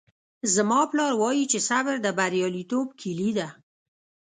زما پلار وایي چې صبر د بریالیتوب کیلي ده